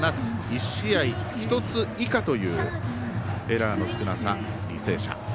１試合１つ以下というエラーの少なさ、履正社。